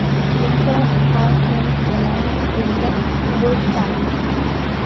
The estate has since remained in the Bush family.